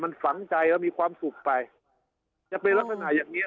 มันฝังใจแล้วมีความสุขไปจะเป็นลักษณะอย่างเงี้